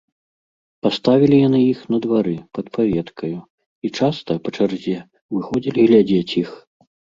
Паставілі яны іх на двары, пад паветкаю, і часта, па чарзе, выходзілі глядзець іх.